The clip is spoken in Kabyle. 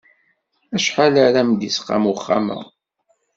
Acḥal ara m-d-isqam uxxam-a?